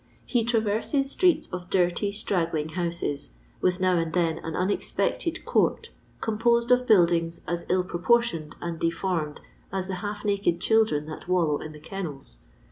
He travenes streeU of dirty, straggling houses, with now and then an unexpected court, composed of buildings as ill proportioned and deformed as the half naked children that wallow in the kennels.